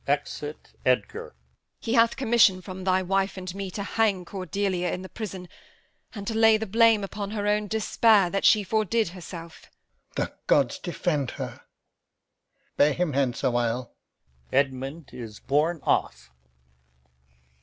[Exit Edgar.] Edm. He hath commission from thy wife and me To hang Cordelia in the prison and To lay the blame upon her own despair That she fordid herself. Alb. The gods defend her! Bear him hence awhile. [Edmund is borne off.